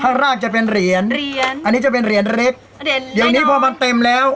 ข้างล่างจะเป็นเหรียญอันนี้จะเป็นเหรียญเล็กอย่างนี้พอมันเต็มแล้ว